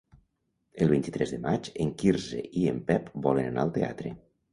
El vint-i-tres de maig en Quirze i en Pep volen anar al teatre.